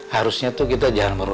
harusnya tuh kita jangan merubah